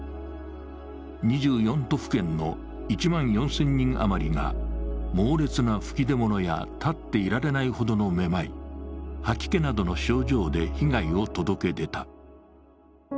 ２４都府県の１万４０００人余りが猛烈な吹き出物や立っていられないほどの目まい、吐き気などの症状で被害を届け出た。